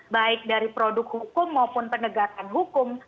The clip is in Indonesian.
baik dari produk hukum maupun penegakan hukum